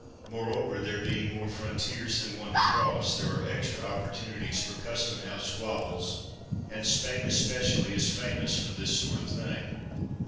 Moreover, there being more frontiers than one to cross, there are extra opportunities for Custom house squabbles, and Spain especially is famous for this sort of thing.